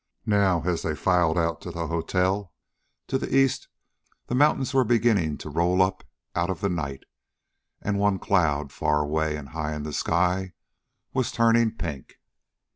Now, as they filed out to the hotel, to the east the mountains were beginning to roll up out of the night, and one cloud, far away and high in the sky, was turning pink.